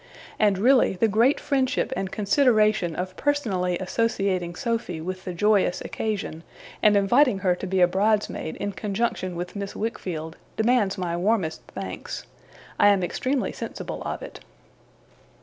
And really the great friendship and consideration of personally associating Sophy with the joyful occasion, and inviting her to be a bridesmaid in conjunction with Miss Wickfield, demands my warmest thanks. I am extremely sensible of it.